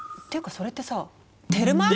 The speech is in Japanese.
それってさテルマエ・ロマ。